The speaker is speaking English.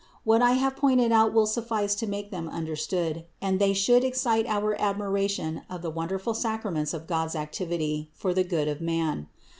What I have pointed out will suffice to make them understood, and they should excite our admiration of the wonderful sacraments of God's activity for the good of man.